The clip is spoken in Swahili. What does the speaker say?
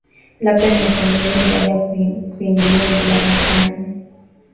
labda miaka miwili baada ya kuingia madarakani